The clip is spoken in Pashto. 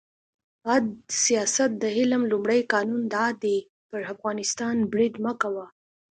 «عد سیاست د علم لومړی قانون دا دی: پر افغانستان برید مه کوه.